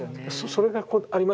それがありますよね。